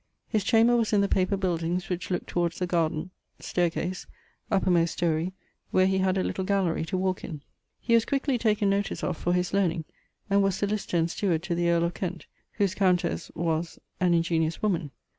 His chamber was in the paper buildings which looke towards the garden, ... staire case, uppermost story, where he had a little gallery to walke in. He was quickly taken notice of for his learning, and was sollicitor and steward to the earl of Kent[BL], whose countesse (was) an ingeniose woman....